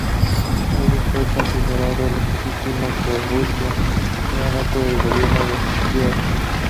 Ello fue considerado legítimo por Rusia, pero no por el gobierno de Kiev.